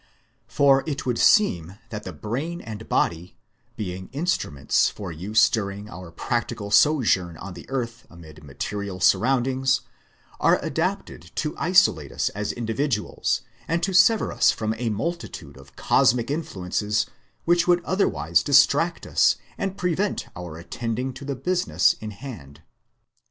For it would seem that the brain and body, being instruments for use during our practical sojourn on the earth amid material surroundings, are adapted to isolate us as individuals and to sever us from a multitude of cosmic influences which would otherwise distract us and prevent our attending to the business in hand.